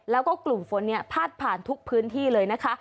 แล้วก็กลุ่มฝนเนี่ยพาดผ่านทุกพื้นที่เลยนะคะ